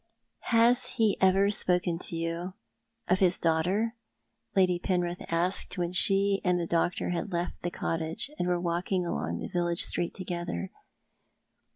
"Has he ever spoken to you of his daughter? " Lady Penrith asked, when she and the doctor had left the cottage, and were walking along the village street together.